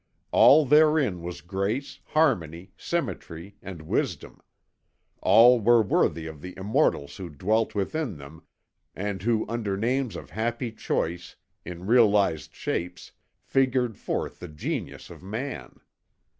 All therein was grace, harmony, symmetry, and wisdom; all were worthy of the immortals who dwelt within them and who under names of happy choice, in realised shapes, figured forth the genius of man.